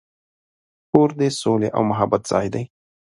کور د سولې او محبت ځای دی.